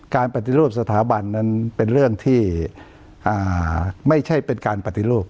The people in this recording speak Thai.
ปฏิรูปสถาบันนั้นเป็นเรื่องที่ไม่ใช่เป็นการปฏิรูป